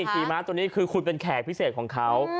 ขี่ม้าตัวนี้คือคุณเป็นแขกพิเศษของเขา